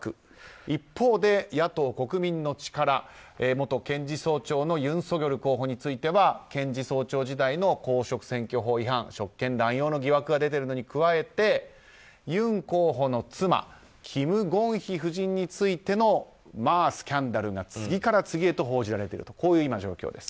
一方で、野党・国民の力元検事総長のユン・ソギョル候補については検事総長時代の公職選挙法違反職権乱用の疑惑が出ているのに加えてユン候補の妻キム・ゴンヒ夫人についてのスキャンダルが次から次へと報じられているという状況です。